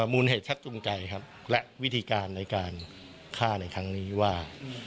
มูลเหตุชัดจูงใจครับและวิธีการในการฆ่าในครั้งนี้ว่า